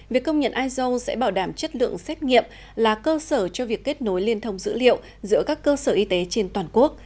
việc công nhận iso sẽ bảo đảm chất lượng xét nghiệm là cơ sở cho việc kết nối liên thông dữ liệu giữa các cơ sở y tế trên toàn quốc